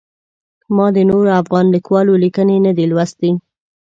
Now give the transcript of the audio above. ما د نورو افغان لیکوالانو لیکنې نه دي لوستلي.